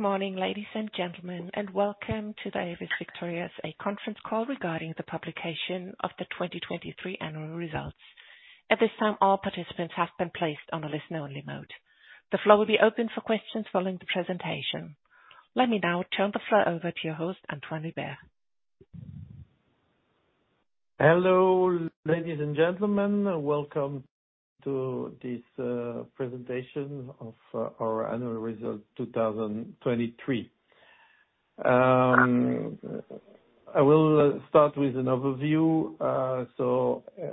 Good morning, ladies and gentlemen, and welcome to the AEVIS VICTORIA conference call regarding the publication of the 2023 annual results. At this time, all participants have been placed on listen-only mode. The floor will be open for questions following the presentation. Let me now turn the floor over to your host, Antoine Hubert. Hello, ladies and gentlemen. Welcome to this presentation of our annual results 2023. I will start with an overview.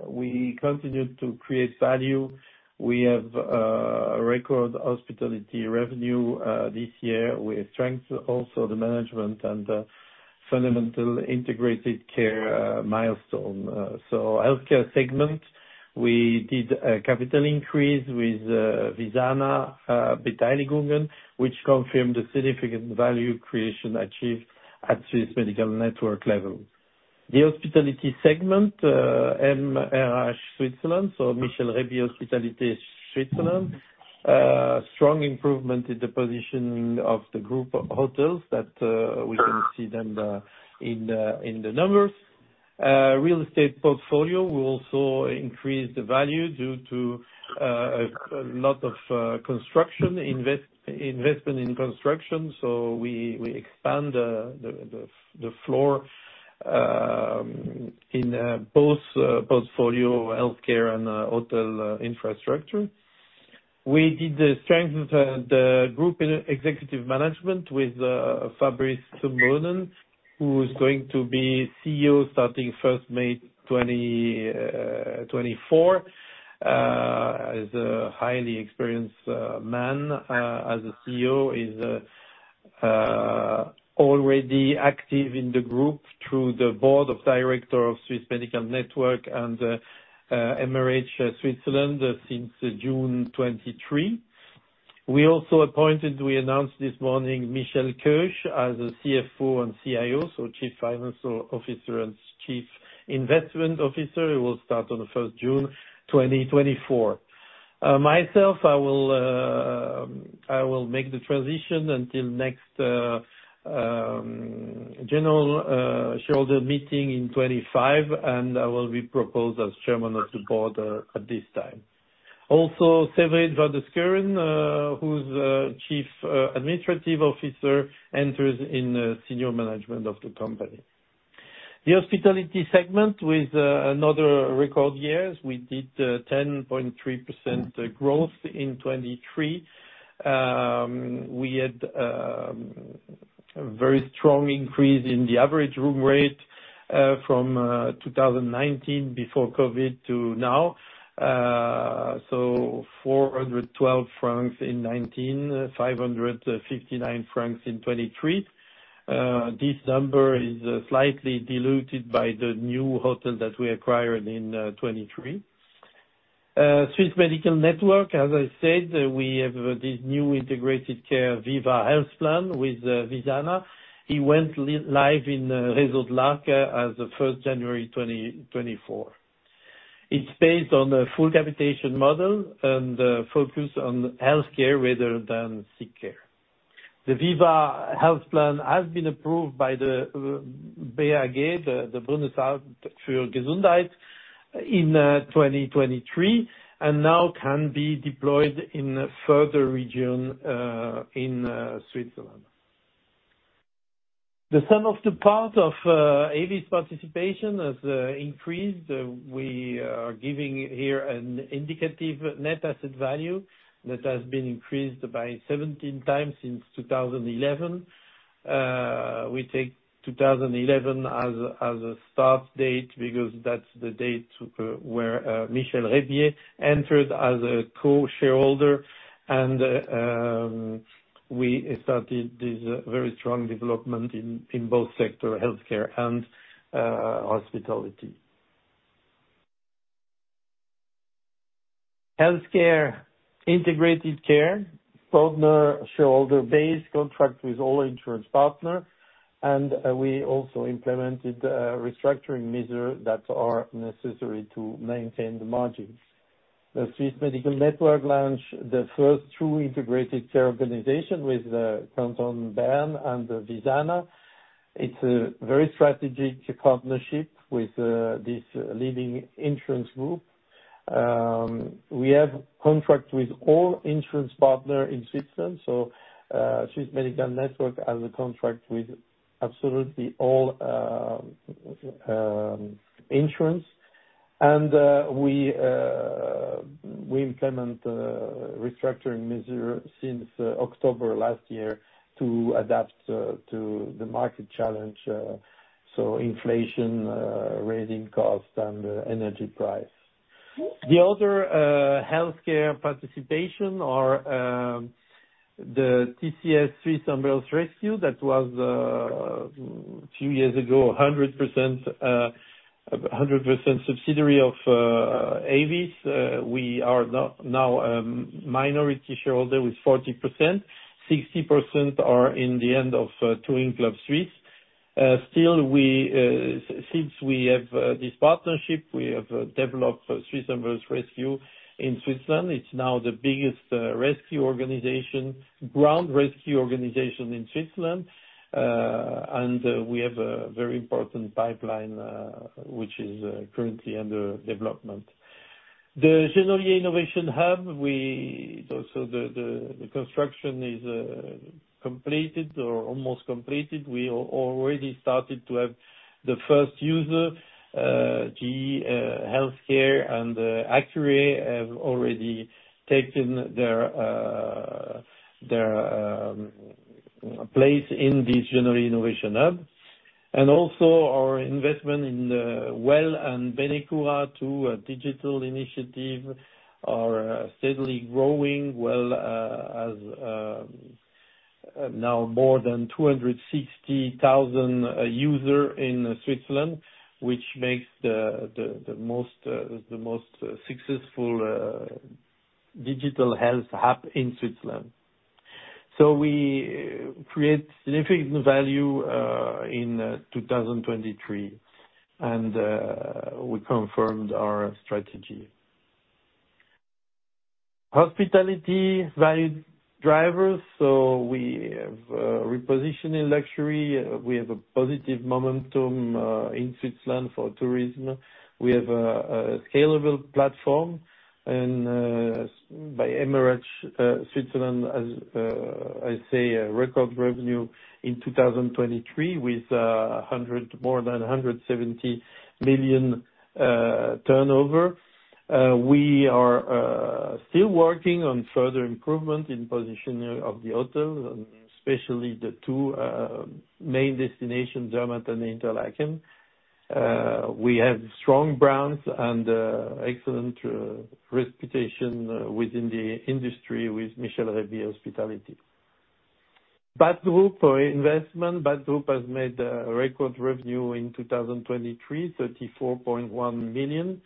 We continue to create value. We have a record hospitality revenue this year. We strengthened also the management and the fundamental integrated care milestone. Healthcare segment, we did a capital increase with Visana Beteiligungen AG, which confirmed the significant value creation achieved at Swiss Medical Network level. The hospitality segment, MRH Switzerland AG, Michel Reybier Hospitality Switzerland, strong improvement in the positioning of the group of hotels that we can see in the numbers. Real estate portfolio, we also increased the value due to a lot of investment in construction. We expand the floor in both portfolio healthcare and hotel infrastructure. We did strengthen the group executive management with Fabrice Zumbrunnen, who is going to be Chief Executive Officer starting first May 2024. As a highly experienced man, as a Chief Executive Officer, he's already active in the group through the board of directors of Swiss Medical Network and MRH Switzerland since June 2023. We also appointed, we announced this morning, Michel Keusch as a Chief Financial Officer and Chief Investment Officer, so Chief Financial Officer and Chief Investment Officer, will start on the first June 2024. Myself, I will make the transition until next general shareholder meeting in 2025, I will be proposed as Chairman of the Board at this time. Also, Séverine van der Schueren, who's Chief Administrative Officer, enters in senior management of the company. The hospitality segment with another record year. We did 10.3% growth in 2023. We had a very strong increase in the average room rate from 2019 before COVID to now. 412 francs in 2019, 559 francs in 2023. This number is slightly diluted by the new hotel that we acquired in 2023. Swiss Medical Network, as I said, we have this new integrated care, VIVA Health Plan, with Visana. It went live in Reuss-Urn-Glarus as of first January 2024. It's based on a full capitation model and focus on healthcare rather than sick care. The VIVA Health Plan has been approved by the BAG, the Bundesamt für Gesundheit, in 2023 and now can be deployed in a further region in Switzerland. The sum of the parts of AEVIS participation has increased. We are giving here an indicative net asset value that has been increased by 17x since 2011. We take 2011 as a start date because that's the date where Michel Reybier entered as a co-shareholder, and we started this very strong development in both sector, healthcare and hospitality. Healthcare integrated care partner shareholder base contract with all insurance partners, and we also implemented restructuring measures that are necessary to maintain the margins. The Swiss Medical Network launched the first true integrated care organization with Canton Bern and Visana. It's a very strategic partnership with this leading insurance group. We have contract with all insurance partner in Switzerland, so Swiss Medical Network has a contract with absolutely all insurance. We implement restructuring measure since October last year to adapt to the market challenge, so inflation, raising cost, and energy price. The other healthcare participation are the TCS Swiss Air-Rescue. That was a few years ago, 100% subsidiary of AEVIS. We are now minority shareholder with 40%. 60% are in the hand of Touring Club Suisse. Still, since we have this partnership, we have developed Swiss Air-Rescue in Switzerland. It's now the biggest rescue organization, ground rescue organization in Switzerland. We have a very important pipeline, which is currently under development. The Genolier Innovation Hub, the construction is completed or almost completed. We already started to have the first user, GE HealthCare and Accuray have already taken their place in the Genolier Innovation Hub. Also our investment in Well and Benecura, two digital initiatives, are steadily growing. Well has now more than 260,000 users in Switzerland, which makes the most successful digital health app in Switzerland. We create significant value in 2023, and we confirmed our strategy. Hospitality value drivers. We have repositioned in luxury. We have a positive momentum in Switzerland for tourism. We have a scalable platform and by MRH Switzerland, as I say, a record revenue in 2023 with more than 170 million turnover. We are still working on further improvement in positioning of the hotels and especially the two main destinations, Zermatt and Interlaken. We have strong brands and excellent reputation within the industry with Michel Reybier Hospitality. Batgroup investment. Batgroup has made a record revenue in 2023, 34.1 million,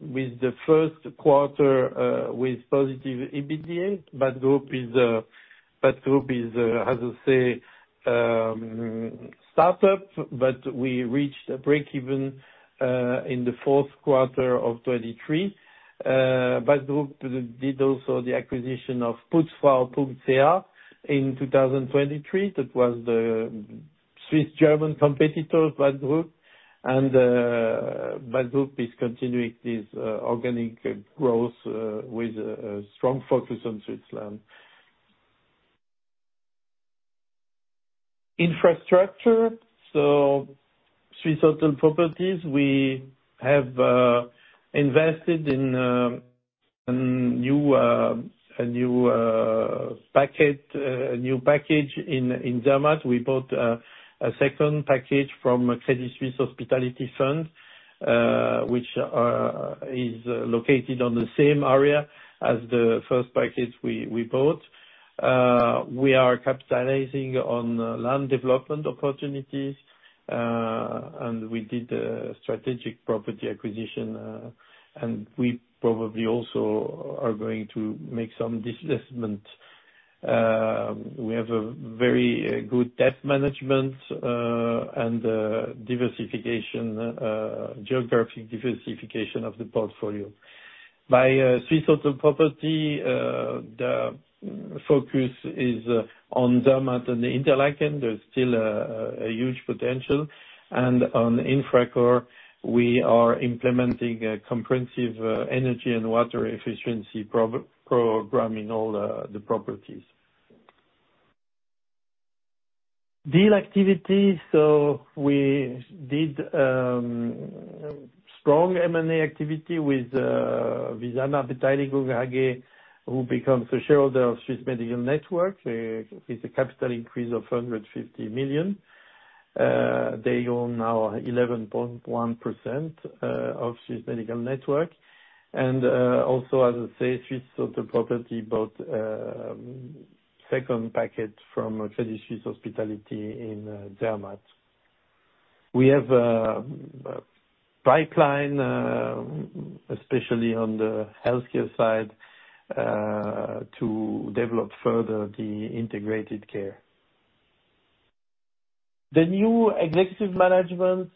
with the first quarter with positive EBITDA. Batgroup is, as I say, startup, we reached a break-even in the fourth quarter of 2023. Batgroup did also the acquisition of Putzfrau.ch in 2023. That was the Swiss-German competitor of Batgroup. Batgroup is continuing this organic growth with a strong focus on Switzerland. Infrastructure. Swiss Hotel Properties, we have invested in a new package in Zermatt. We bought a second package from Credit Suisse Real Estate Fund Hospitality, which is located on the same area as the first package we bought. We are capitalizing on land development opportunities. We did a strategic property acquisition. We probably also are going to make some divestment. We have a very good debt management and geographic diversification of the portfolio. By Swiss Hotel Properties SA, the focus is on Zermatt and Interlaken. There's still a huge potential. On Infracore, we are implementing a comprehensive energy and water efficiency program in all the properties. Deal activity. We did strong M&A activity with Visana Beteiligungen AG, who becomes a shareholder of Swiss Medical Network with a capital increase of 150 million. They own now 11.1% of Swiss Medical Network. Also, as I say, Swiss Hotel Properties SA bought a second package from Credit Suisse Real Estate Fund Hospitality in Zermatt. We have a pipeline, especially on the healthcare side, to develop further the integrated care. The new executive management.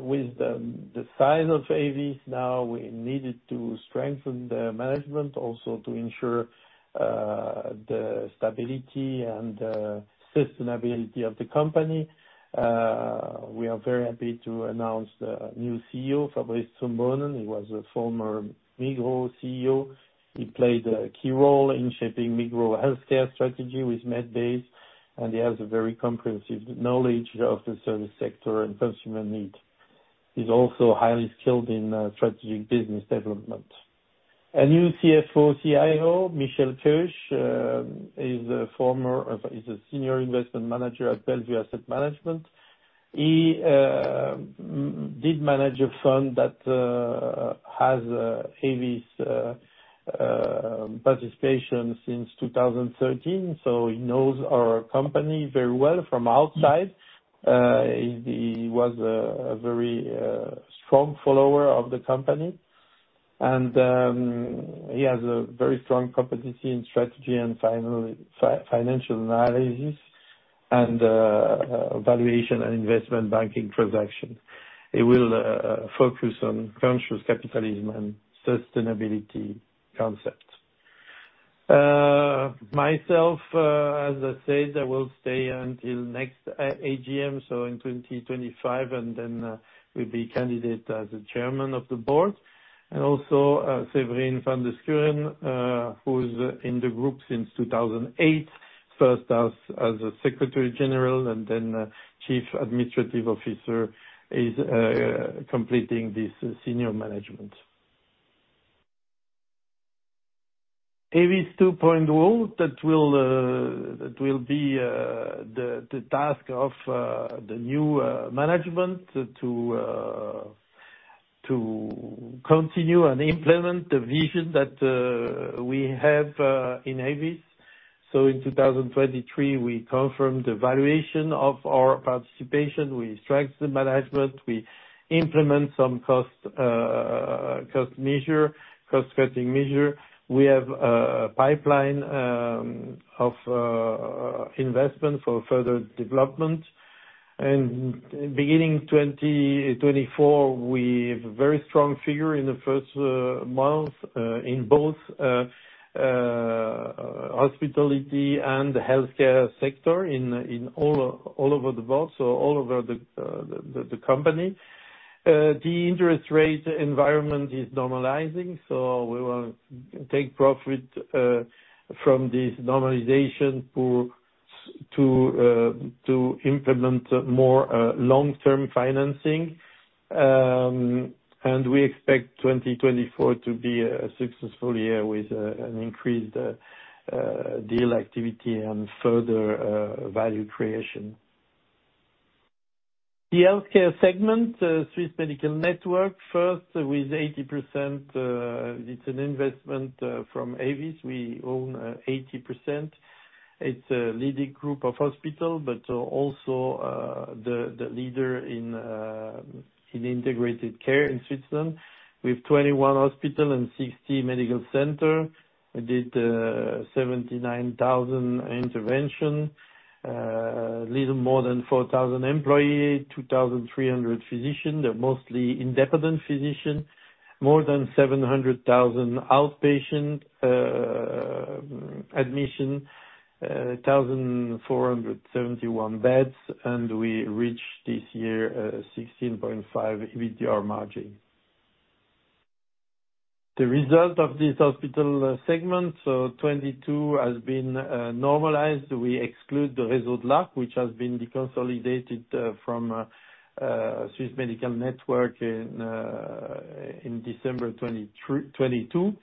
With the size of AEVIS now, we needed to strengthen the management also to ensure the stability and the sustainability of the company. We are very happy to announce the new Chief Executive Officer, Fabrice Zumbrunnen. He was a former Migros Chief Executive Officer. He played a key role in shaping Migros healthcare strategy with Medbase, and he has a very comprehensive knowledge of the service sector and consumer needs. He's also highly skilled in strategic business development. A new Chief Financial Officer, Chief Investment Officer, Michel Keusch, he's a senior investment manager at Bellevue Asset Management. He did manage a fund that has AEVIS participation since 2013, so he knows our company very well from outside. He was a very strong follower of the company. He has a very strong competency in strategy and financial analysis and valuation and investment banking transaction. He will focus on conscious capitalism and sustainability concept. Myself, as I said, I will stay until next AGM, so in 2025, and then will be candidate as the chairman of the board. Also Séverine van der Schueren, who's in the group since 2008, first as a secretary general and then Chief Administrative Officer, is completing this senior management. AEVIS 2.0, that will be the task of the new management to continue and implement the vision that we have in AEVIS. In 2023, we confirmed the valuation of our participation. We strengthened the management. We implement some cost-cutting measure. We have a pipeline of investment for further development. Beginning 2024, we have very strong figure in the first month in both hospitality and the healthcare sector all over the world, so all over the company. The interest rate environment is normalizing, we will take profit from this normalization to implement more long-term financing. We expect 2024 to be a successful year with an increased deal activity and further value creation. The healthcare segment, Swiss Medical Network, first with 80%, it's an investment from AEVIS. We own 80%. It's a leading group of hospital, but also the leader in integrated care in Switzerland. We have 21 hospital and 60 medical center. We did 79,000 intervention, a little more than 4,000 employee, 2,300 physician, they're mostly independent physician, more than 700,000 outpatient admission, 1,471 beds, and we reached this year, 16.5% EBITDA margin. The result of this hospital segment for 2022 has been normalized. We exclude the Réseau de l'Arc, which has been deconsolidated from Swiss Medical Network in December 2022.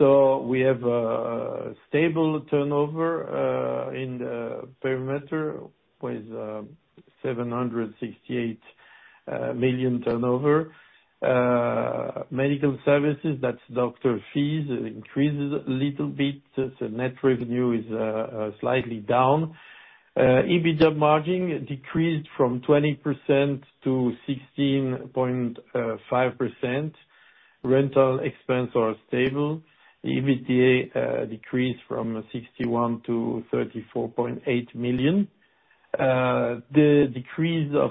We have a stable turnover in the perimeter with 768 million turnover. Medical services, that's doctor fees, increases a little bit since the net revenue is slightly down. EBITDA margin decreased from 20%-16.5%. Rental expense are stable. The EBITDA decreased from 61 million to 34.8 million. The decrease of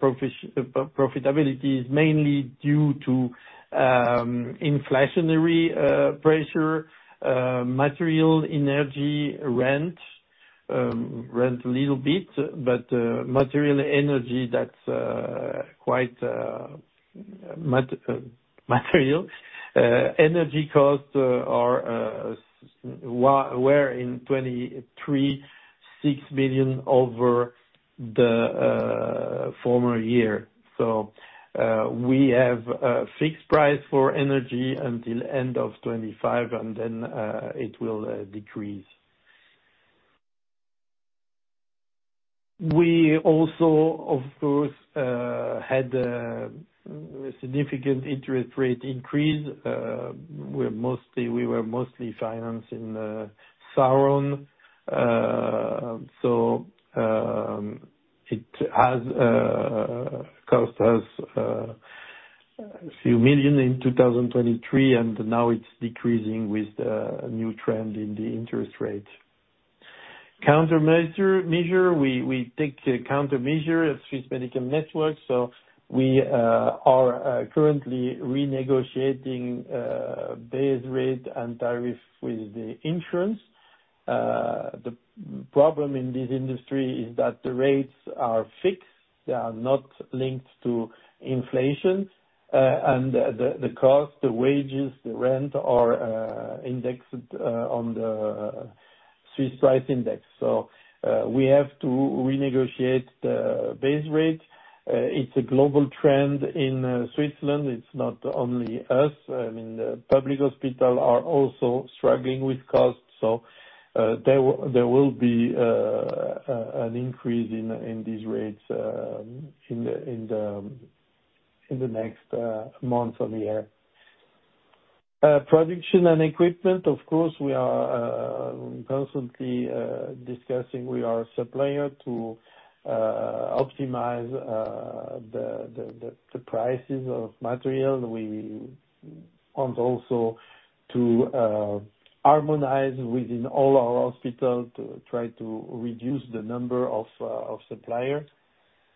profitability is mainly due to inflationary pressure. Material, energy, rent a little bit. Material energy, that's quite material. Energy cost were in 2023, 6 million over the former year. We have a fixed price for energy until end of 2025, and then it will decrease. We also, of course, had a significant interest rate increase. We were mostly financed in the SARON. It has cost us a few million CHF in 2023, and now it's decreasing with a new trend in the interest rate. Countermeasure, we take a countermeasure at Swiss Medical Network. We are currently renegotiating base rate and tariff with the insurance. The problem in this industry is that the rates are fixed. They are not linked to inflation. The cost, the wages, the rent are indexed on the Swiss price index. We have to renegotiate the base rate. It's a global trend in Switzerland. It's not only us. Public hospital are also struggling with cost. There will be an increase in these rates in the next months of the year. Production and equipment, of course, we are constantly discussing with our supplier to optimize the prices of material. We want also to harmonize within all our hospitals to try to reduce the number of suppliers.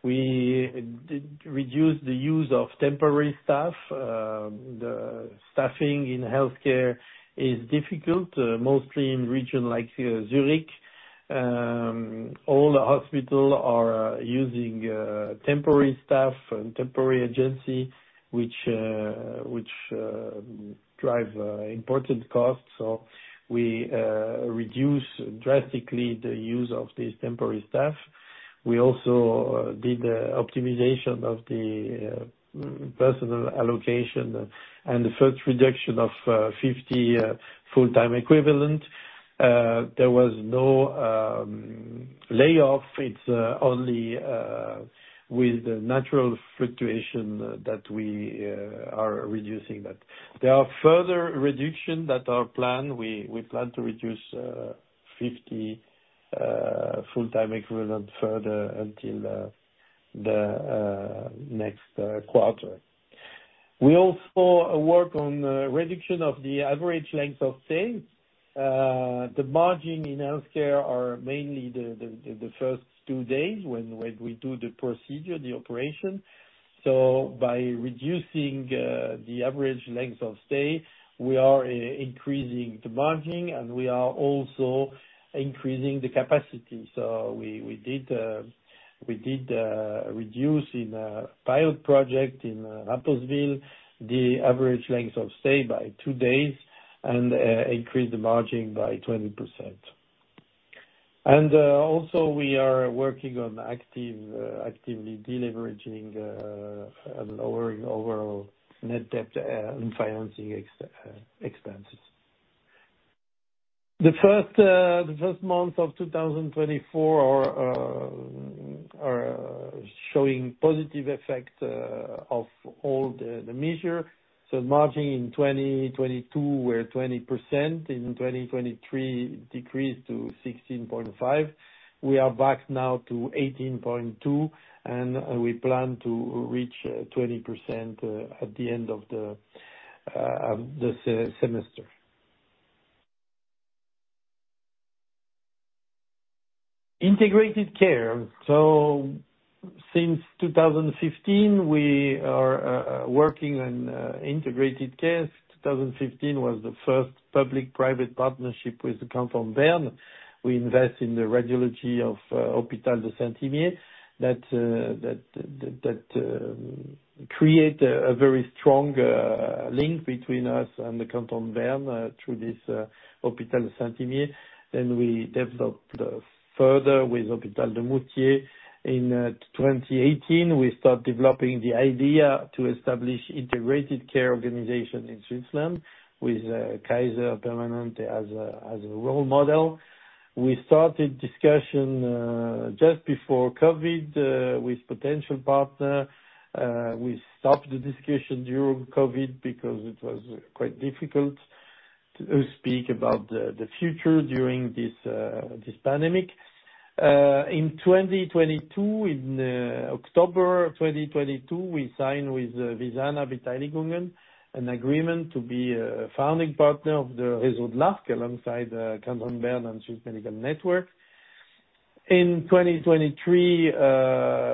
We reduce the use of temporary staff. The staffing in healthcare is difficult, mostly in region like Zurich. All the hospital are using temporary staff and temporary agency, which drive important costs. We reduce drastically the use of the temporary staff. We also did the optimization of the personnel allocation and the first reduction of 50 full-time equivalent. There was no layoff. It's only with the natural fluctuation that we are reducing that. There are further reductions that are planned. We plan to reduce 50 full-time equivalent further until the next quarter. We also work on the reduction of the average length of stay. The margin in healthcare are mainly the first two days when we do the procedure, the operation. By reducing the average length of stay, we are increasing the margin, and we are also increasing the capacity. We did reduce in a pilot project in Rapperswil, the average length of stay by two days and increase the margin by 20%. Also we are working on actively deleveraging and lowering overall net debt and financing expenses. The first months of 2024 are showing positive effects of all the measures. Margin in 2022 were 20%, in 2023 decreased to 16.5%. We are back now to 18.2%, and we plan to reach 20% at the end of the semester. Integrated care. Since 2015, we are working on integrated care. 2015 was the first public-private partnership with the Canton of Bern. We invest in the radiology of Hôpital de Saint-Imier that create a very strong link between us and the Canton of Bern through this Hôpital de Saint-Imier. We developed further with Hôpital de Moutier. In 2018, we start developing the idea to establish integrated care organization in Switzerland with Kaiser Permanente as a role model. We started discussion just before COVID with potential partner. We stopped the discussion during COVID because it was quite difficult to speak about the future during this pandemic. In October 2022, we signed with Visana Vitality Group, an agreement to be a founding partner of the Résodac alongside Canton of Bern and Swiss Medical Network. In 2023,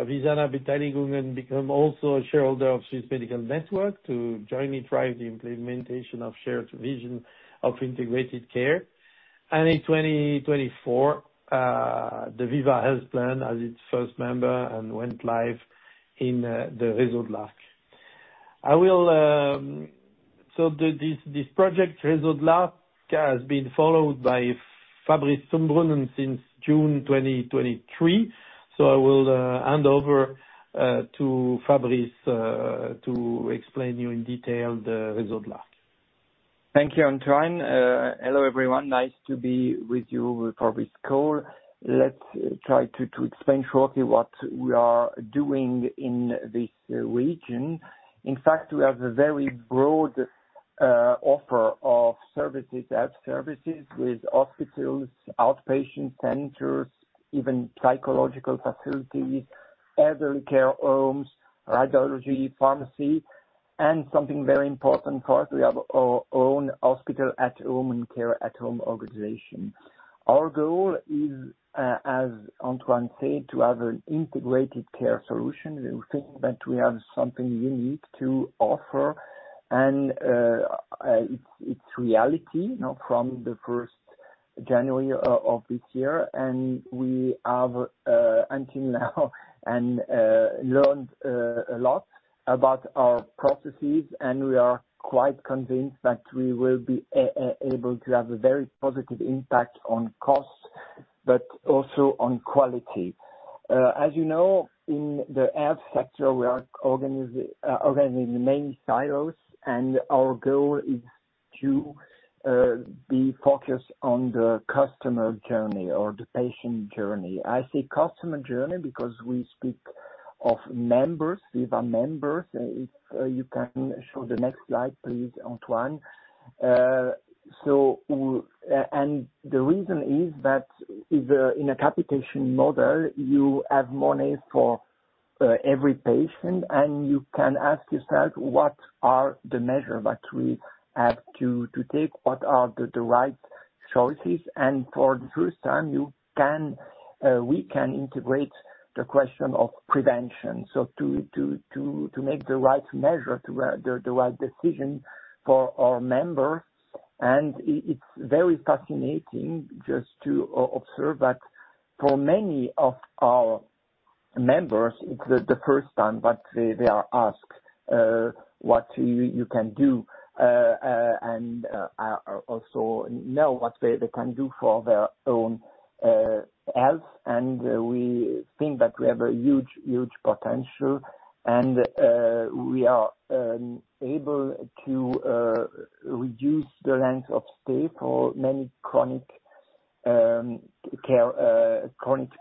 Visana Vitality Group become also a shareholder of Swiss Medical Network to jointly drive the implementation of shared vision of integrated care. In 2024, the Viva Health Plan as its first member and went live in the Résodac. This project, Résodac, has been followed by Fabrice Zumbrunnen since June 2023. I will hand over to Fabrice to explain you in detail the Résodac. Thank you, Antoine. Hello, everyone. Nice to be with you for this call. Let's try to explain shortly what we are doing in this region. In fact, we have a very broad offer of services, lab services with hospitals, outpatient centers, even psychological facilities, elderly care homes, radiology, pharmacy, and something very important for us, we have our own hospital at home and care at home organization. Our goal is, as Antoine said, to have an integrated care solution. We think that we have something unique to offer, and it's reality now from the 1st January of this year. We have until now learned a lot about our processes, and we are quite convinced that we will be able to have a very positive impact on cost, but also on quality. As you know, in the health sector, we are organized in many silos. Our goal is to be focused on the customer journey or the patient journey. I say customer journey because we speak of Viva members. You can show the next slide, please, Antoine. The reason is that in a capitation model, you have money for every patient. You can ask yourself what are the measures that we have to take? What are the right choices? For the first time, we can integrate the question of prevention. To make the right measure, the right decision for our members. It's very fascinating just to observe that for many of our members, it's the first time that they are asked what you can do. Also now what they can do for their own health. We think that we have a huge potential and we are able to reduce the length of stay for many chronic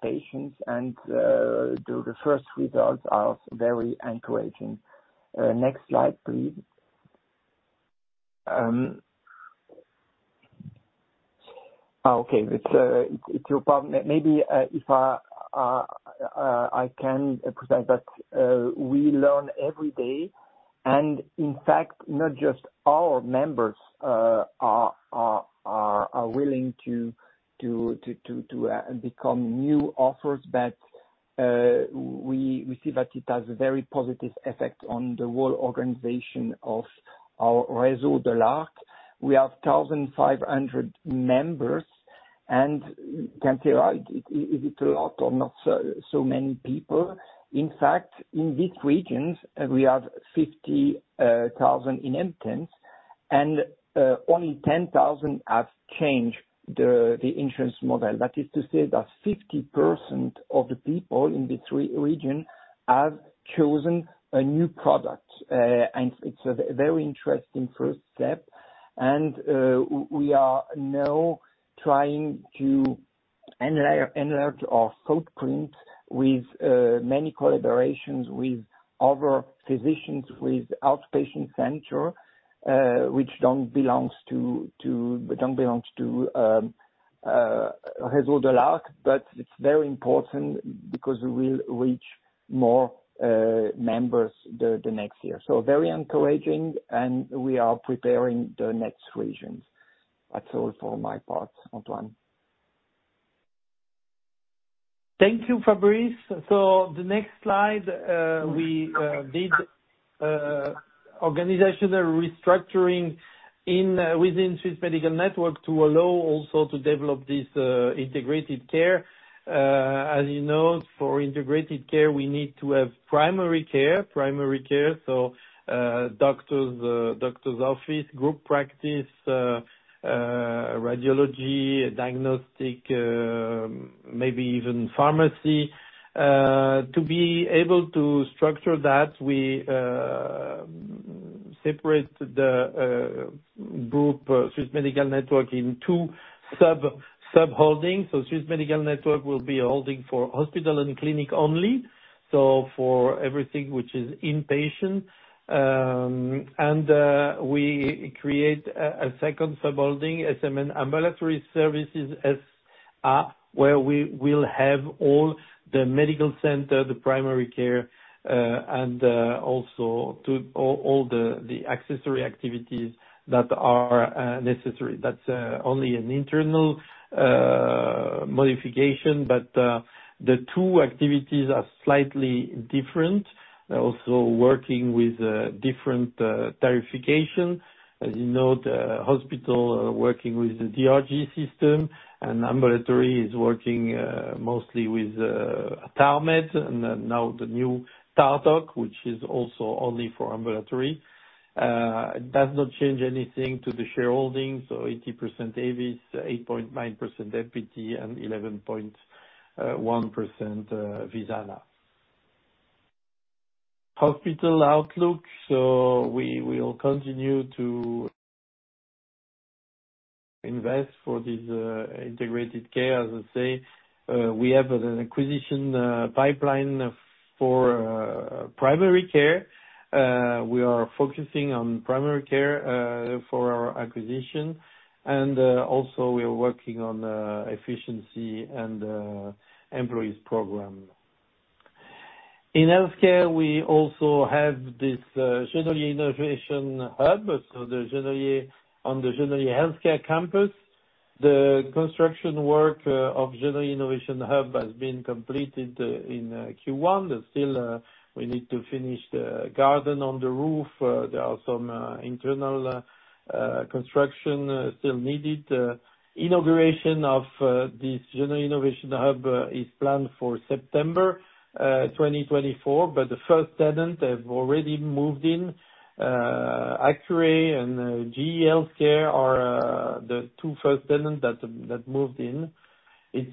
patients. The first results are very encouraging. Next slide, please. Okay. Maybe I can present that we learn every day, in fact, not just our members are willing to become new authors, but we see that it has a very positive effect on the whole organization of our Réseau de l'Arc. We have 1,500 members, you can say, is it a lot or not so many people? In fact, in these regions, we have 50,000 inhabitants, only 10,000 have changed the insurance model. That is to say that 50% of the people in this region have chosen a new product. It's a very interesting first step. We are now trying to enlarge our footprint with many collaborations with other physicians, with outpatient center which don't belong to Réseau de l'Arc. It's very important because we will reach more members the next year. Very encouraging, and we are preparing the next regions. That's all for my part, Antoine. Thank you, Fabrice. The next slide, we did organizational restructuring within Swiss Medical Network to allow also to develop this integrated care. As you know, for integrated care, we need to have primary care. Doctors' office, group practice, radiology, diagnostic, maybe even pharmacy. To be able to structure that, we separate the group Swiss Medical Network in two sub-holdings. Swiss Medical Network will be a holding for hospital and clinic only. For everything which is inpatient. We create a second sub-holding, SMN Ambulatory Services SA, where we will have all the medical center, the primary care, and also all the accessory activities that are necessary. That's only an internal modification, but the two activities are slightly different. Also working with different tariffication. As you know, the hospital working with the DRG system, and ambulatory is working mostly with TARMED, and then now the new TARDOC, which is also only for ambulatory. It does not change anything to the shareholding. 80% AEVIS, 8.9% MPT, and 11.1% Visana. Hospital outlook. We will continue to invest for this integrated care, as I say. We have an acquisition pipeline for primary care. We are focusing on primary care for our acquisition, and also we are working on efficiency and employees program. In healthcare, we also have this Genolier Innovation Hub on the Genolier Healthcare Campus. The construction work of Genolier Innovation Hub has been completed in Q1. Still we need to finish the garden on the roof. There are some internal construction still needed. Inauguration of this Genolier Innovation Hub is planned for September 2024. The first tenant has already moved in. Accuray and GE HealthCare are the two first tenants that moved in. It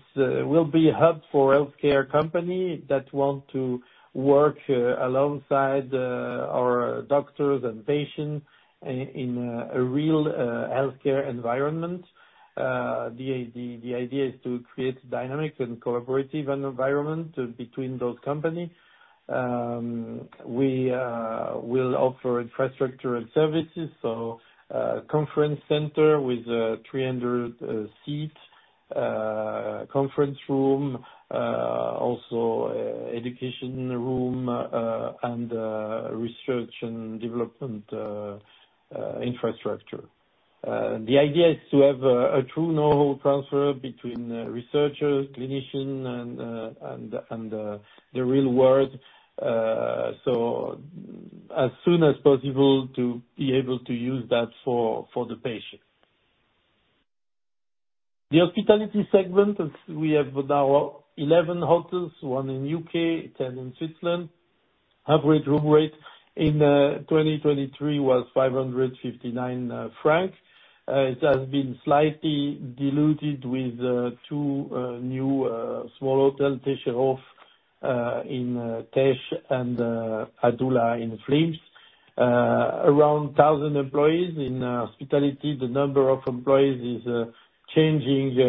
will be a hub for healthcare companies that want to work alongside our doctors and patients in a real healthcare environment. The idea is to create a dynamic and collaborative environment between both companies. We will offer infrastructure and services, so a conference center with 300 seats, a conference room, also education room, and research and development infrastructure. The idea is to have a true know-how transfer between researchers, clinicians, and the real world, so as soon as possible to be able to use that for the patient. The hospitality segment is we have now 11 hotels, one in U.K., 10 in Switzerland. Average room rate in 2023 was 559 francs. It has been slightly diluted with two new small hotel, Pescherhof in Disentis and Hotel Adula in Flims. Around 1,000 employees in hospitality. The number of employees is changing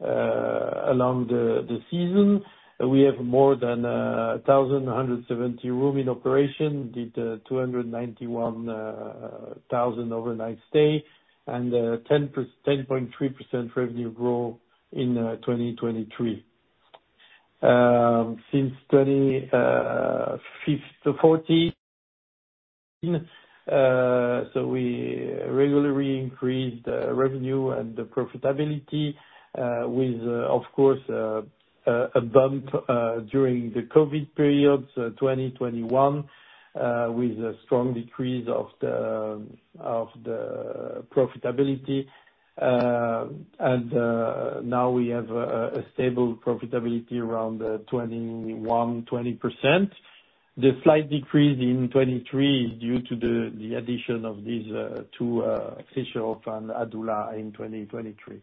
along the seasons. We have more than 1,170 rooms in operation with 291,000 overnight stay and 10.3% revenue growth in 2023. Since 2014, we regularly increased the revenue and the profitability with, of course, a bump during the COVID period, 2021, with a strong decrease of the profitability. Now we have a stable profitability around 21%, 20%. The slight decrease in 2023 is due to the addition of these two, Pescherhof and Adula in 2023.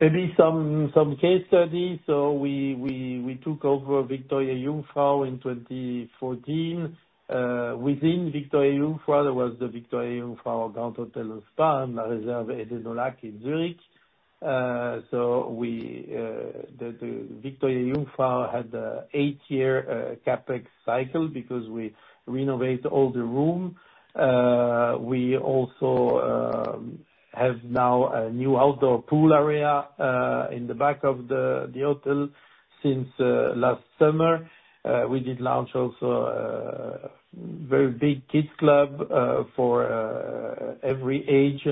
Maybe some case studies. We took over Victoria-Jungfrau in 2014. Within Victoria-Jungfrau, there was the Victoria-Jungfrau Grand Hotel & Spa and La Réserve Eden au Lac Zurich. The Victoria-Jungfrau had an eight-year CapEx cycle because we renovate all the rooms. We also have now a new outdoor pool area in the back of the hotel since last summer. We did launch also a very big kids club for every age,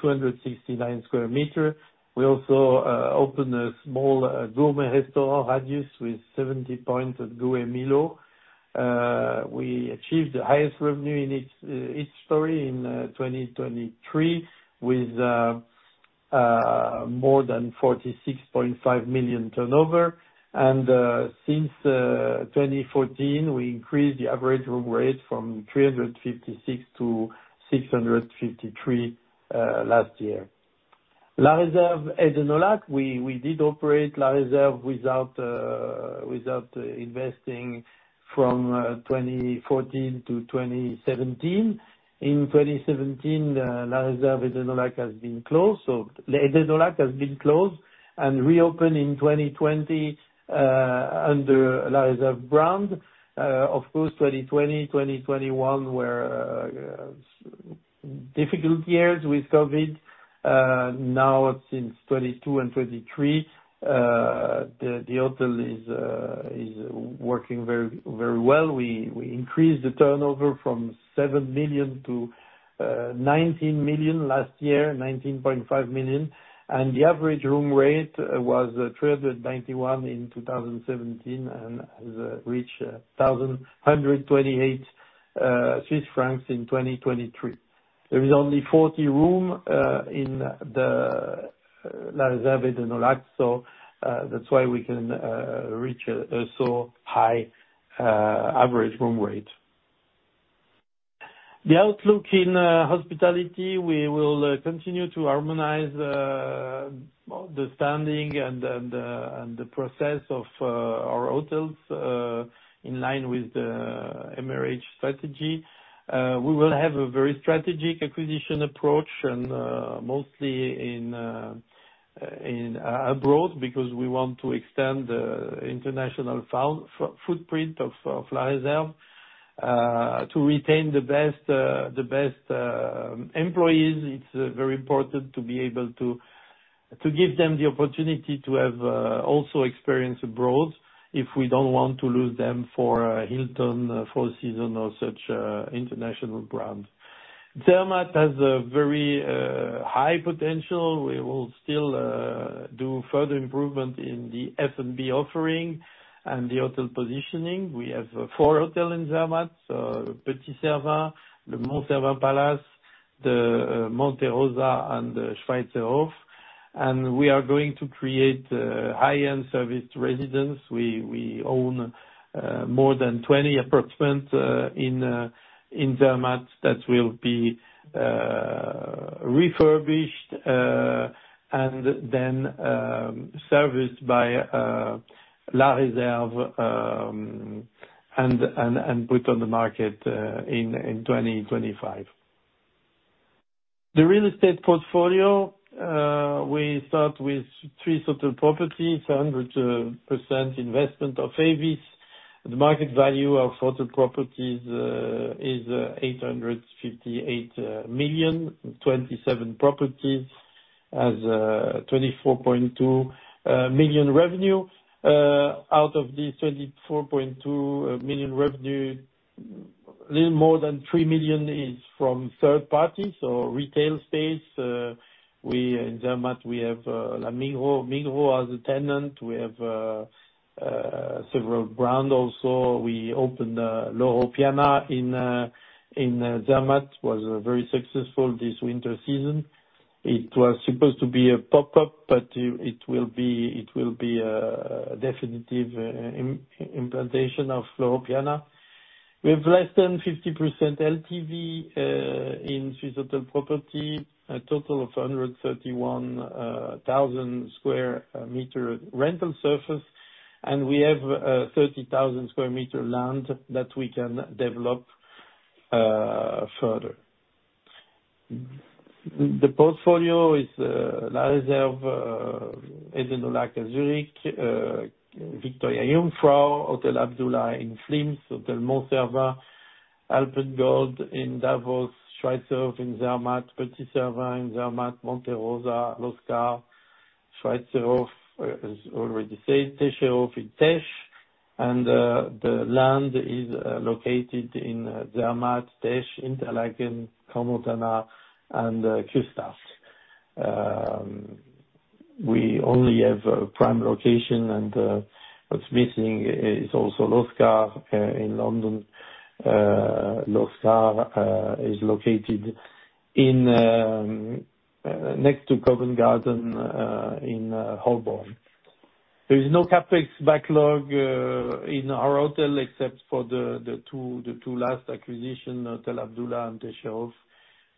269 sq m. We also opened a small gourmet restaurant, Radius, with 70 points at Gault&Millau. We achieved the highest revenue in its history in 2023 with more than 46.5 million turnover. Since 2014, we increased the average room rate from 356 to 653 last year. La Réserve Eden au Lac, we did operate La Réserve without investing from 2014 to 2017. In 2017, La Réserve Eden au Lac has been closed. Eden au Lac has been closed and reopened in 2020 under La Réserve brand. Of course, 2020, 2021 were difficult years with COVID. Since 2022 and 2023, the hotel is working very well. We increased the turnover from 7 million to 19 million last year, 19.5 million, and the average room rate was 1,291 in 2017 and has reached 1,128 Swiss francs in 2023. There is only 40 rooms in the La Réserve Eden au Lac, that's why we can reach a so high average room rate. The outlook in hospitality, we will continue to harmonize the standing and the process of our hotels in line with the MRH strategy. We will have a very strategic acquisition approach and mostly abroad, because we want to extend the international footprint of La Réserve. To retain the best employees, it's very important to be able to give them the opportunity to have also experience abroad if we don't want to lose them for Hilton, Four Seasons or such international brands. Zermatt has a very high potential. We will still do further improvement in the F&B offering and the hotel positioning. We have four hotels in Zermatt, Le Petit Cervin, the Mont Cervin Palace, the Hotel Monte Rosa, and the Hotel Schweizerhof. We are going to create a high-end service residence. We own more than 20 apartments in Zermatt that will be refurbished and then serviced by La Réserve and put on the market in 2025. The real estate portfolio, we start with three hotel properties, 100% investment of AEVIS. The market value of hotel properties is 858 million, 27 properties has 24.2 million revenue. Out of the 24.2 million revenue, a little more than 3 million is from third parties or retail space. In Zermatt, we have Minghu as a tenant. We have several brands also. We opened Loro Piana in Zermatt, was very successful this winter season. It was supposed to be a pop-up, but it will be a definitive implantation of Loro Piana. We have less than 50% LTV in Swiss Hotel Properties, a total of 131,000 sq m rental surface. We have 30,000 sq m land that we can develop further. The portfolio is La Réserve Eden au Lac Zurich, Victoria-Jungfrau, Hotel Adula in Flims, Mont Cervin Palace, AlpenGold Hotel in Davos, Hotel Schweizerhof in Zermatt, Hotel Belvédère in Zermatt, Hotel Monte Rosa, L'Oscar, Hotel Schweizerhof, as already said, Täscherhof in Täsch. The land is located in Zermatt, Täsch, Interlaken, Crans-Montana, and Küsnacht. We only have a prime location. What's missing is also L'Oscar in London. L'Oscar is located next to Covent Garden in Holborn. There's no CapEx backlog in our hotel except for the two last acquisitions, Hotel Adula and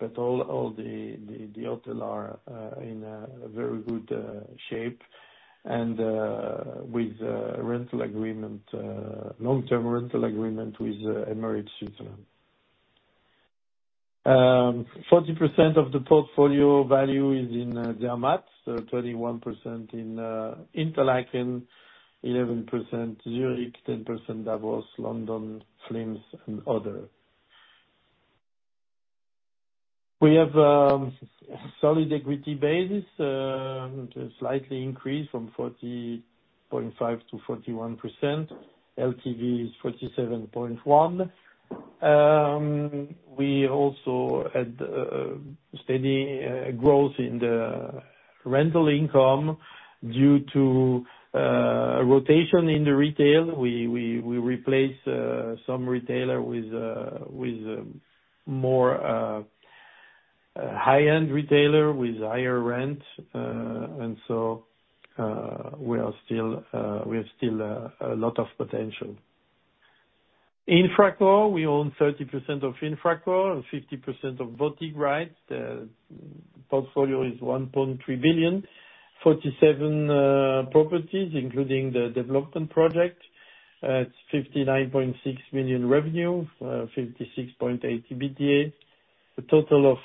Täscherhof. All the hotels are in a very good shape and with long-term rental agreement with MRH Switzerland. 40% of the portfolio value is in Zermatt, 21% in Interlaken, 11% Zurich, 10% Davos, London, Flims, and other. We have a solid equity base, slightly increased from 40.5 to 41%. LTV is 47.1. We also had steady growth in the rental income due to rotation in the retail. We replaced some retailer with a more high-end retailer with higher rent, and so we have still a lot of potential. Infracore, we own 30% of Infracore and 50% of voting rights. The portfolio is 1.3 billion, 47 properties, including the development project. It's 59.6 million revenue, 56.8 EBITDA. A total of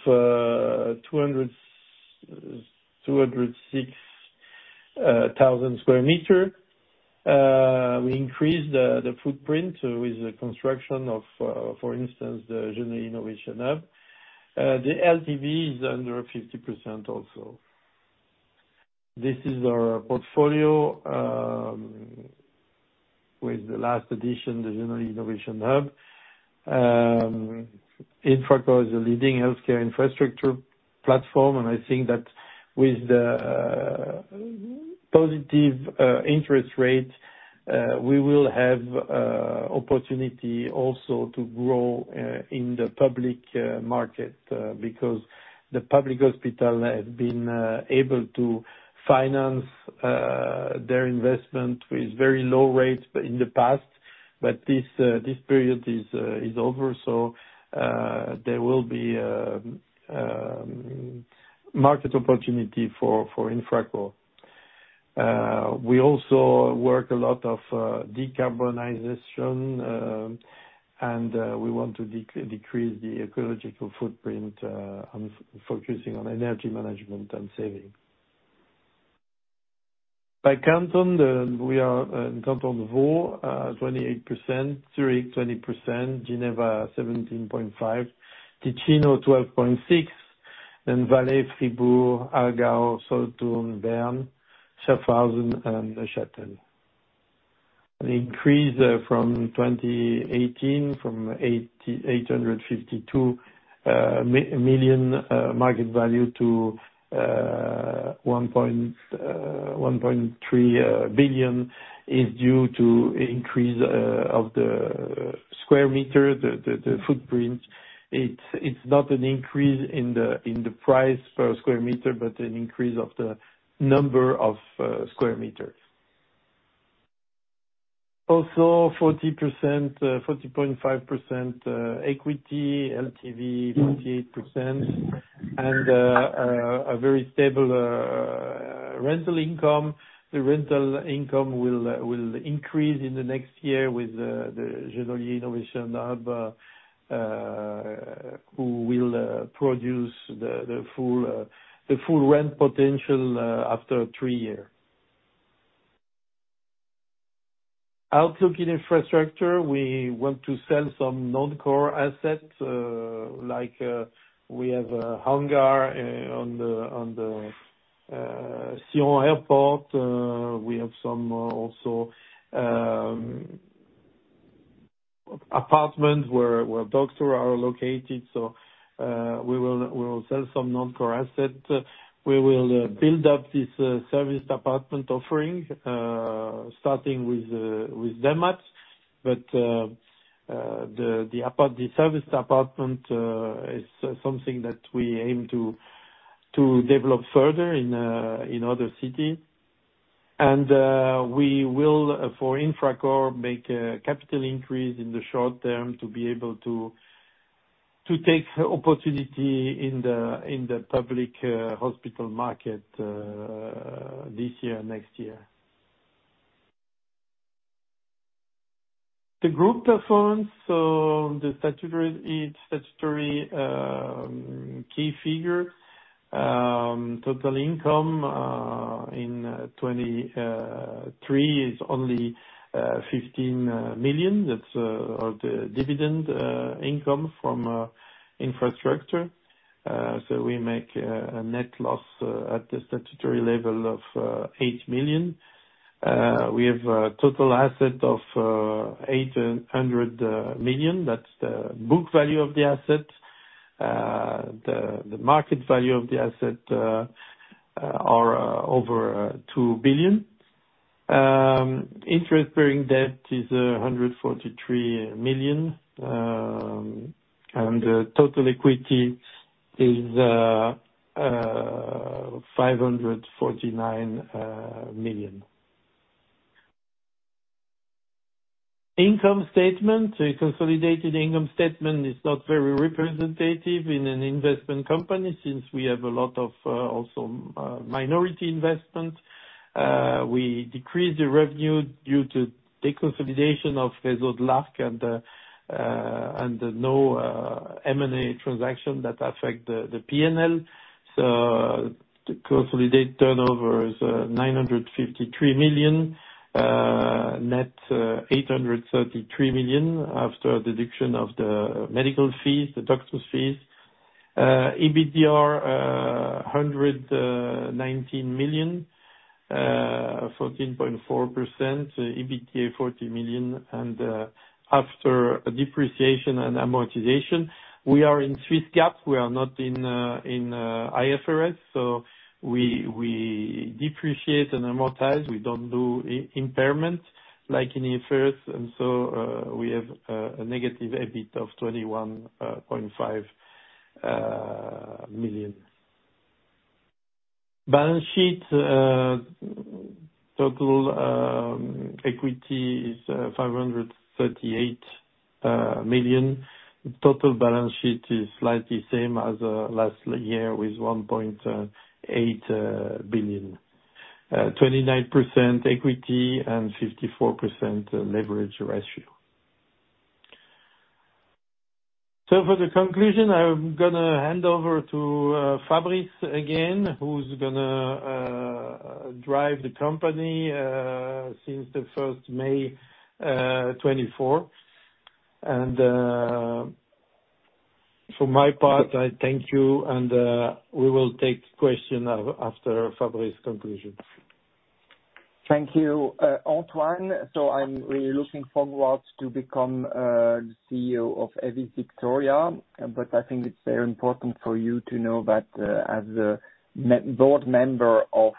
206,000 sq m. We increased the footprint with the construction of, for instance, the Genolier Innovation Hub. The LTV is under 50% also. This is our portfolio with the last addition, the Genolier Innovation Hub. Infracore is a leading healthcare infrastructure platform. I think that with the positive interest rate, we will have opportunity also to grow in the public market because the public hospital have been able to finance their investment with very low rates in the past, but this period is over. There will be market opportunity for Infracore. We also work a lot of decarbonization, and we want to decrease the ecological footprint and focusing on energy management and saving. By canton, we are in canton Vaud, 28%, Zurich 20%, Geneva 17.5%, Ticino 12.6%, and Valais, Fribourg, Aargau, Solothurn, Bern, Schaffhausen, and Neuchâtel. An increase from 2018 from 852 million market value to 1.3 billion is due to increase of the square meter, the footprint. It's not an increase in the price per square meter, but an increase of the number of square meters. 40.5% equity, LTV 48%, and a very stable rental income. The rental income will increase in the next year with the Genolier Innovation Hub, who will produce the full rent potential after three year. Outlook in infrastructure, we want to sell some non-core assets, like we have a hangar on the Sion Airport. We have some also apartments where doctors are located. We will sell some non-core assets. We will build up this service department offering, starting with Domat/Ems. The service department is something that we aim to develop further in other cities. We will, for Infracore, make a capital increase in the short term to be able to take the opportunity in the public hospital market this year, next year. The group performance, the statutory key figure, total income in 2023 is only 15 million. That's all the dividend income from infrastructure. We make a net loss at the statutory level of 8 million. We have a total asset of 800 million. That's the book value of the asset. The market value of the asset are over 2 billion. Interest-bearing debt is 143 million. Total equity is 549 million. Income statement. The consolidated income statement is not very representative in an investment company since we have a lot of also minority investment. We decreased the revenue due to the consolidation of Réseau de l'Arc and no M&A transaction that affect the P&L. The consolidated turnover is 953 million, net 833 million after the deduction of the medical fees, the doctor fees. EBITDA, 119 million, 14.4%, EBITDA 40 million and after depreciation and amortization, we are in Swiss GAAP, we are not in IFRS, so we depreciate and amortize. We don't do impairment like in IFRS. We have a negative EBITDA of 21.5 million. Balance sheet, total equity is 538 million. Total balance sheet is slightly same as last year with 1.8 billion. 29% equity and 54% leverage ratio. For the conclusion, I'm going to hand over to Fabrice again, who's going to drive the company since the 1st May 2024. For my part, I thank you and we will take question after Fabrice completion. Thank you, Antoine. I'm really looking forward to become CEO of AEVIS VICTORIA. I think it's very important for you to know that as a board member of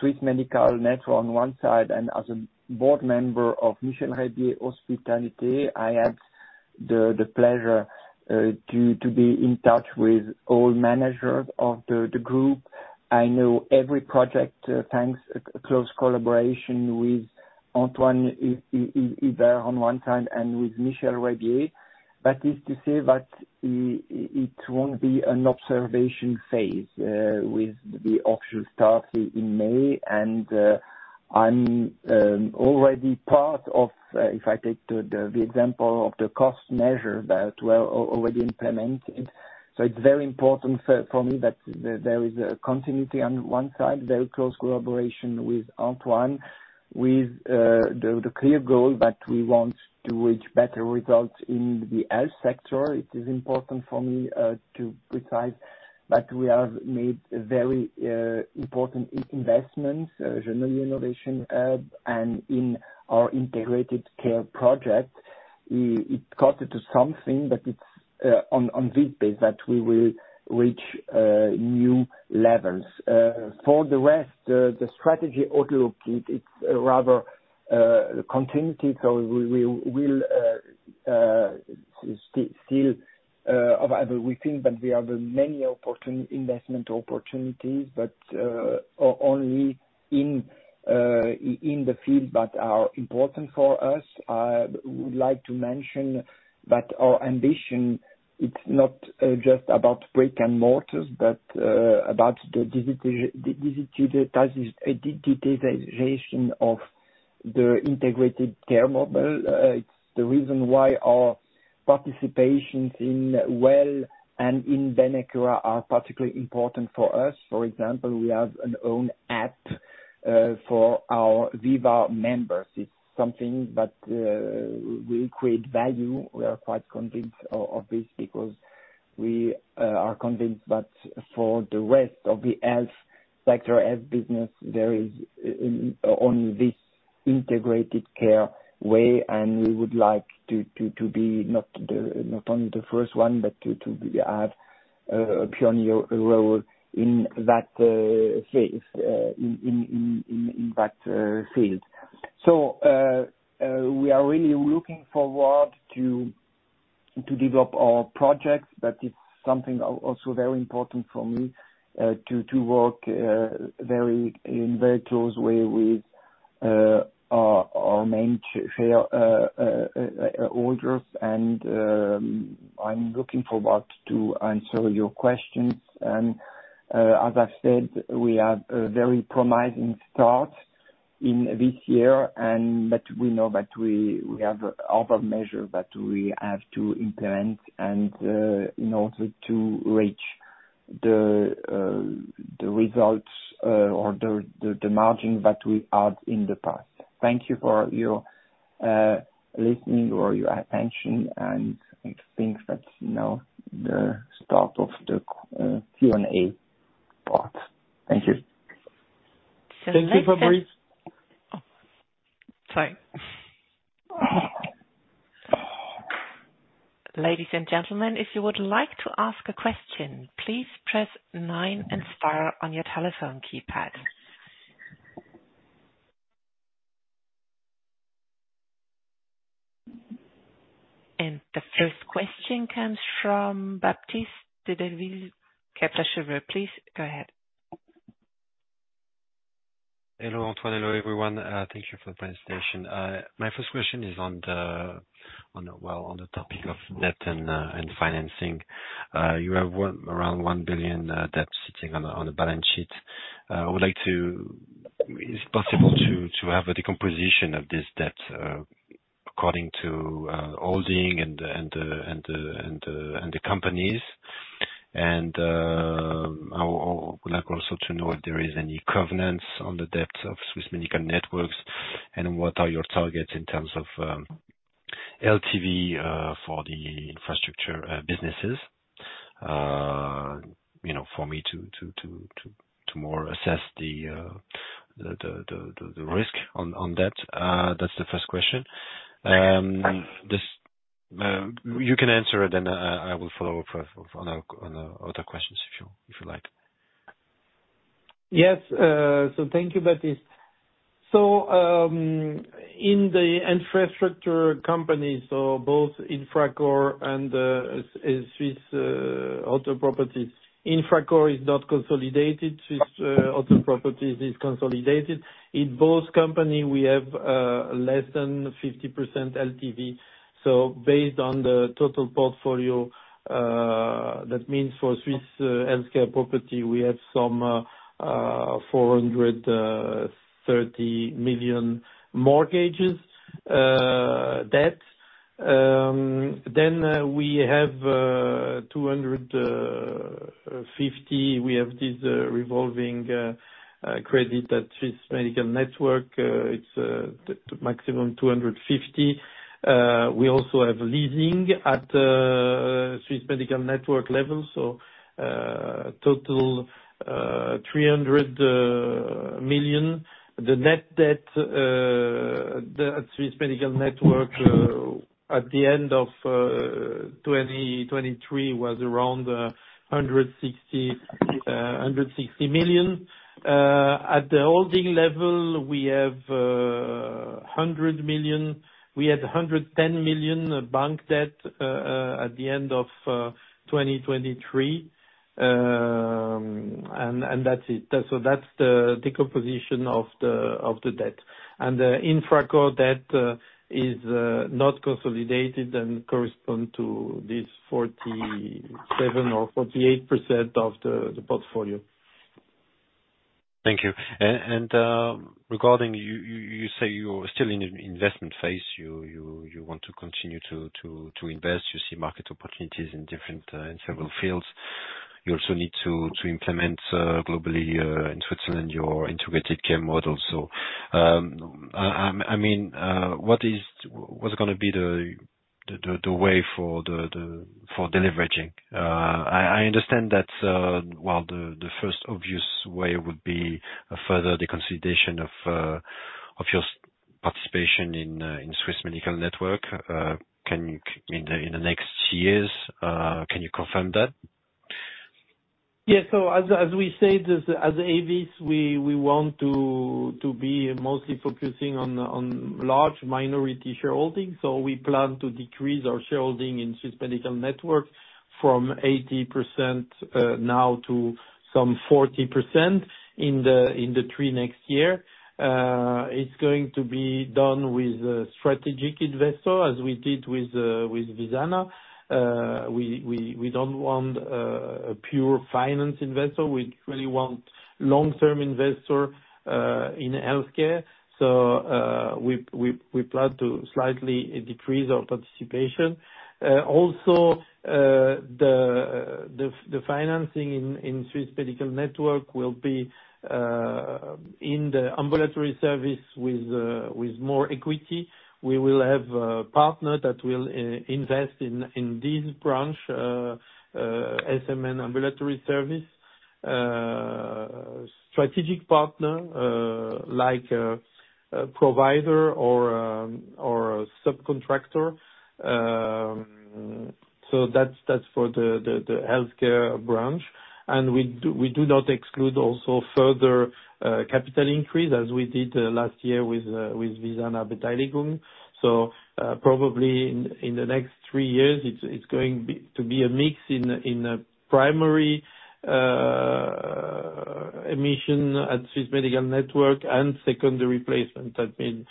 Swiss Medical Network on one side and as a board member of Michel Reybier Hospitality, I have the pleasure to be in touch with all managers of the group. I know every project, thanks close collaboration with Antoine Hubert on one side and with Michel Reybier. That is to say that it won't be an observation phase with the official start in May, and I'm already part of, if I take the example of the cost measure that were already implemented. It's very important for me that there is a continuity on one side, very close collaboration with Antoine, with the clear goal that we want to reach better results in the health sector. It is important for me to precise that we have made very important investments, Genolier Innovation Hub and in our integrated care project. It got into something that it's on this base that we will reach new levels. For the rest, the strategy auto update, it's rather continuity, we think that there are many investment opportunities, but only in the field that are important for us. I would like to mention that our ambition, it's not just about bricks and mortar, but about the digitalization of the integrated care model. It's the reason why our participations in Well and in Benecura are particularly important for us. For example, we have an own app for our VIVA members. It's something that will create value. We are quite convinced of this because we are convinced that for the rest of the health sector and business, there is on this integrated care way, and we would like to be not only the first one, but to have a pioneer role in that field. We are really looking forward to develop our projects. It's something also very important for me to work very in a very close way with our main shareholders, and I'm looking forward to answer your questions. As I said, we have a very promising start in this year, and that we know that we have other measure that we have to implement and in order to reach the results or the margin that we had in the past. Thank you for your listening or your attention, and I think that's now the start of the Q&A part. Thank you. Thank you, Fabrice. Sorry. Ladies and gentlemen, if you would like to ask a question, please press nine and star on your telephone keypad. The first question comes from Baptiste de Leudeville, Kepler Cheuvreux. Please go ahead. Hello, Fabrice. Hello, everyone. Thank you for the presentation. My first question is on the topic of debt and financing. You have around 1 billion debt sitting on the balance sheet. It's possible to have a decomposition of this debt according to holding and the companies? I would like also to know if there is any covenants on the debts of Swiss Medical Network, and what are your targets in terms of LTV for the infrastructure businesses for me to more assess the risk on that. That's the first question. You can answer it, and I will follow up with other questions if you like. Yes. Thank you, Baptiste. In the infrastructure company, both Infracore and Swiss Healthcare Property. Infracore is not consolidated, Swiss Healthcare Property is consolidated. In both company, we have less than 50% LTV. Based on the total portfolio, that means for Swiss Healthcare Property, we have some 430 million mortgages debt. We have 250. We have this revolving credit at Swiss Medical Network. It's a maximum 250. We also have leasing at the Swiss Medical Network level, a total 300 million. The net debt at Swiss Medical Network at the end of 2023 was around 160 million. At the holding level, we had 110 million bank debt at the end of 2023. That's it. That's the decomposition of the debt. The Infracore debt is not consolidated and correspond to this 47 or 48% of the portfolio. Thank you. Regarding, you say you're still in investment phase. You want to continue to invest. You see market opportunities in different several fields. You also need to implement globally in Switzerland your integrated care model. What's going to be the way for deleveraging? I understand that while the first obvious way would be a further deconsolidation of your participation in Swiss Medical Network in the next years. Can you confirm that? Yeah. As we said, as AEVIS, we want to be mostly focusing on large minority shareholding. We plan to decrease our shareholding in Swiss Medical Network from 80% now to some 40% in the three next year. It's going to be done with a strategic investor, as we did with Visana. We don't want a pure finance investor. Long-term investor in healthcare. We plan to slightly decrease our participation. Also, the financing in Swiss Medical Network will be in the ambulatory service with more equity. We will have a partner that will invest in this branch, SMN Ambulatory Services, strategic partner, like a provider or a subcontractor, that's for the healthcare branch. We do not exclude also further capital increase as we did last year with Villars appetite group. Probably in the next three years, it's going to be a mix in a primary emission at Swiss Medical Network and secondary placement. That means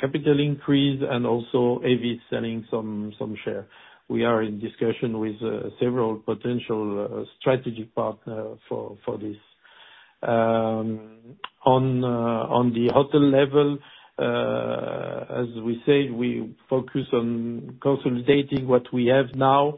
capital increase and also AEVIS selling some shares. We are in discussion with several potential strategic partner for this. On the hotel level, as we said, we focus on consolidating what we have now.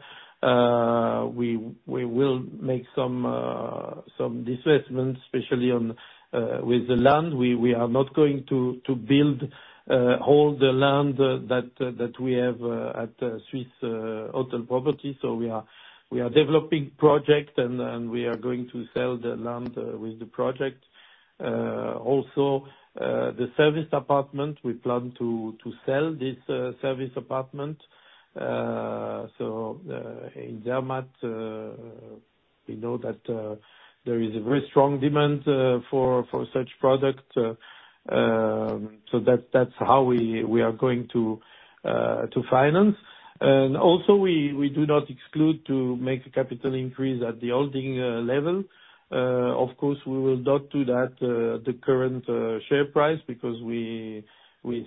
We will make some assessments, especially with the land. We are not going to build all the land that we have at Swiss Hotel Properties SA. We are developing project, and we are going to sell the land with the project. Also, the service apartment, we plan to sell this service apartment. In Zermatt, we know that there is a very strong demand for such product. That's how we are going to finance. Also, we do not exclude to make a capital increase at the holding level. Of course, we will not do that at the current share price because we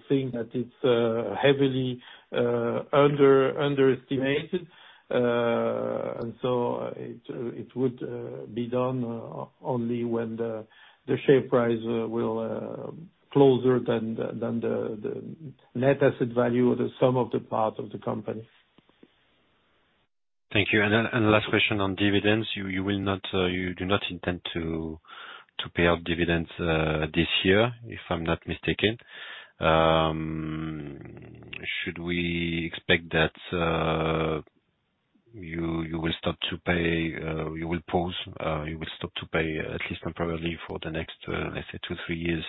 think that it's heavily underestimated. It would be done only when the share price will closer than the net asset value, the sum of the parts of the company. Thank you. Last question on dividends. You do not intend to pay off dividends this year, if I'm not mistaken. Should we expect that you will stop to pay at least temporarily for the next, let's say, two, three years,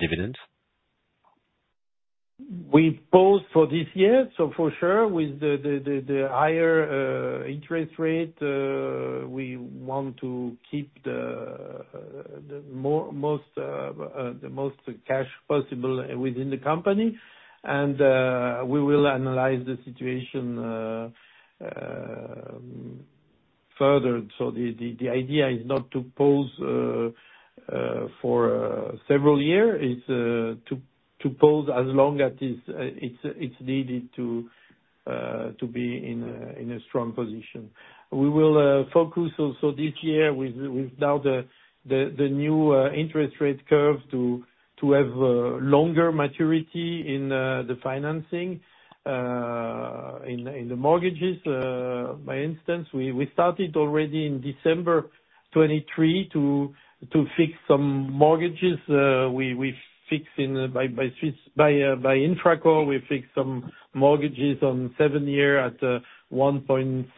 dividends? We pause for this year. For sure, with the higher interest rate, we want to keep the most cash possible within the company, and we will analyze the situation further. The idea is not to pause for several years, it's to pause as long as it's needed to be in a strong position. We will focus also this year with now the new interest rate curve to have longer maturity in the financing, in the mortgages. For instance, we started already in December 2023 to fix some mortgages. By Infracore, we fixed some mortgages on seven years at 1.7%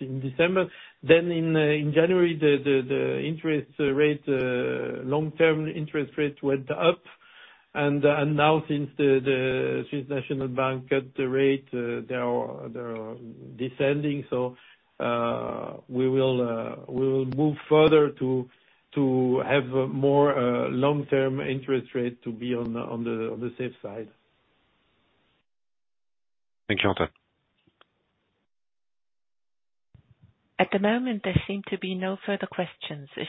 in December. In January, the long-term interest rate went up. Now since the Swiss National Bank cut the rate, they are descending. We will move further to have more long-term interest rate to be on the safe side. Thank you. At the moment, there seem to be no further questions. There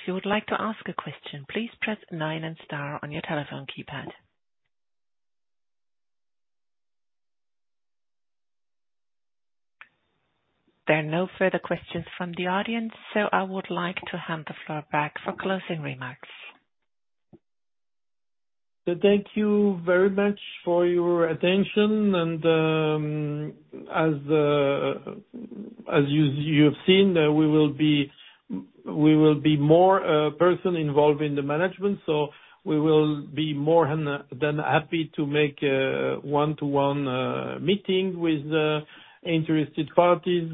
are no further questions from the audience, so I would like to hand the floor back for closing remarks. Thank you very much for your attention, and as you've seen, we will be more person involved in the management. We will be more than happy to make a one-to-one meeting with interested parties.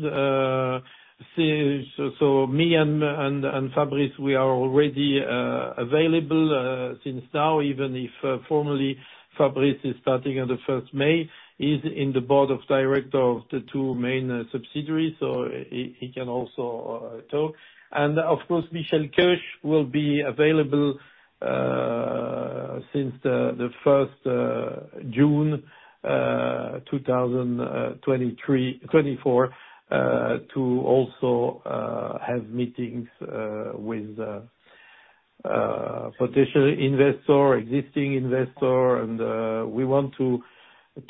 Me and Fabrice, we are already available, since now, even if formally, Fabrice is starting on the 1st May. He's in the board of director of the two main subsidiaries, so he can also talk. Of course, Michel Keusch will be available since the 1st June 2024 to also have meetings with potential investor, existing investor. We want to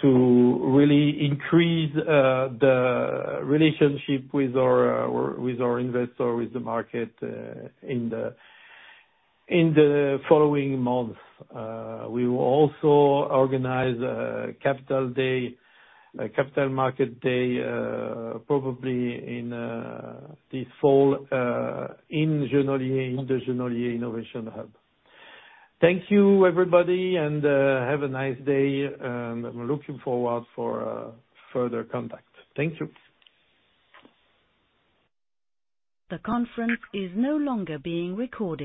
really increase the relationship with our investor, with the market in the following months. We will also organize a capital market day, probably in the fall in the Genolier Innovation Hub. Thank you, everybody, and have a nice day. I'm looking forward for further contact. Thank you. The conference is no longer being recorded.